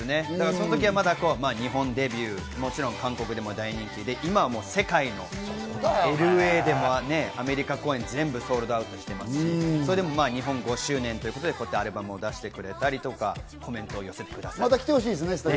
その時はまだ日本デビュー、もちろん韓国でも大人気で、今は世界の、ＬＡでもね、アメリカ公演が全部ソールドアウトしてますし、日本５周年ということで、アルバムも出してくれたりとか、コメントを寄せてくださいました。